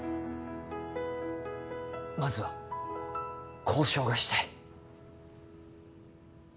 まずは交渉がしたい。